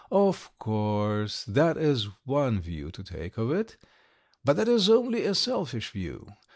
"Of course, that is one view to take of it; but that is only a selfish view.